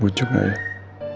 bujuk nggak ya ya nggak usahlah